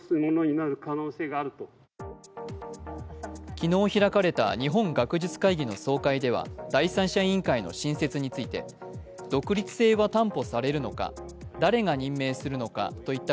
昨日開かれた日本学術会議の総会では、第三者委員会の新設について、独立性は担保されるのか、誰が任命するのかといった